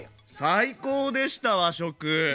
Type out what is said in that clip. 最高でした和食！